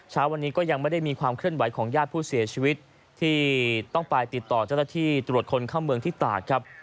เช้าวันนี้ก็ยังไม่ได้มีความเคลื่อนไหวของญาติผู้เสียชีวิตที่ต้องไปติดต่อเจ้าหน้าที่ตรวจคนเข้าเมืองที่ตากครับ